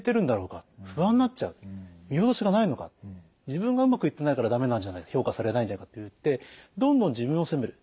自分がうまくいってないから駄目なんじゃないか評価されないんじゃないかといってどんどん自分を責める。